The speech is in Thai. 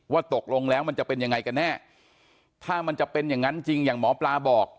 ตกลงแล้วมันจะเป็นยังไงกันแน่ถ้ามันจะเป็นอย่างนั้นจริงอย่างหมอปลาบอก